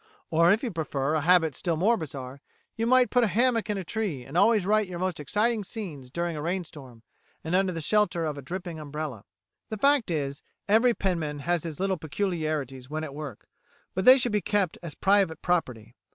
Or if you prefer a habit still more bizarre, you might put a hammock in a tree, and always write your most exciting scenes during a rain storm, and under the shelter of a dripping umbrella. The fact is, every penman has his little peculiarities when at work, but they should be kept as private property.